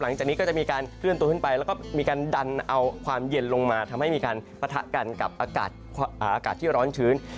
หลังจากนี้ก็จะมีการเคลื่อนตัวขึ้นไปแล้วก็มีการดันเอาความเย็นลงมาทำให้มีการปะทะกันกับอากาศที่ร้อนชื้น